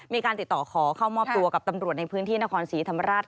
มีการติดต่อขอเข้ามอบตัวกับตำรวจในพื้นที่นครศรีธรรมราช